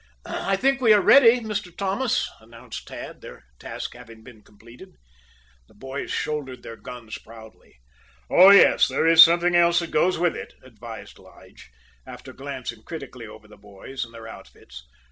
"I think we are ready, Mr. Thomas," announced Tad, their task having been completed. The boys shouldered their guns proudly. "Oh, yes; there is something else that goes with it," advised Lige, after glancing critically over the boys and their outfits.